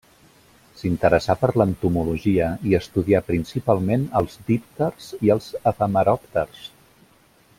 S'interessà per l'entomologia i estudià principalment els dípters i els efemeròpters.